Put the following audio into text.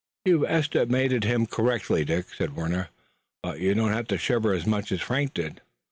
"You've estimated him correctly, Dick," said Warner, "but you don't have to shiver as much as Frank did."